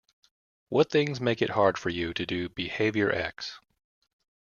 What things make it hard for you to do behavior X?